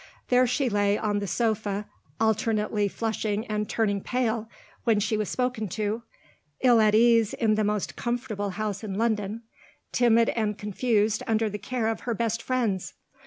There she lay on the sofa, alternately flushing and turning pale when she was spoken to; ill at ease in the most comfortable house in London; timid and confused under the care of her best friends.